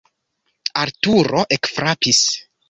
Arturo ekfrapis.